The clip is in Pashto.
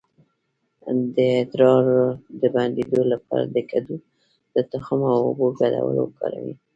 د ادرار د بندیدو لپاره د کدو د تخم او اوبو ګډول وکاروئ